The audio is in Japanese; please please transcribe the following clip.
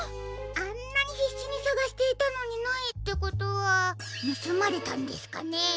あんなにひっしにさがしていたのにないってことはぬすまれたんですかね？